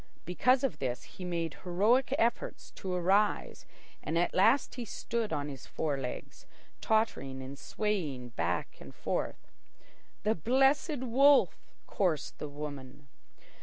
Because of this he made heroic efforts to arise and at last he stood on his four legs, tottering and swaying back and forth. "The Blessed Wolf!" chorused the women.